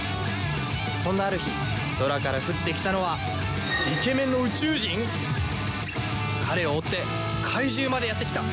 そんなある日空から降ってきたのは彼を追って怪獣までやってきた。